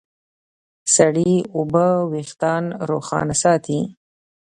سړې اوبه وېښتيان روښانه ساتي.